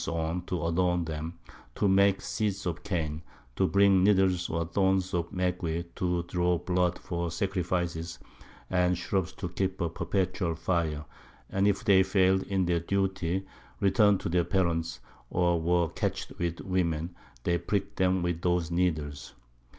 _ to adorn them, to make Seats of Cane, to bring Needles or Thorns of Maguey to draw Blood for Sacrifices, and Shrubs to keep a perpetual Fire; and if they fail'd in their Duty, return'd to their Parents, or were catch'd with Women, they prick'd 'em with those Needles.